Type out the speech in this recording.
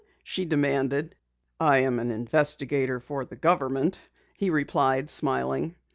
she demanded. "I am an investigator for the government," he replied, smiling.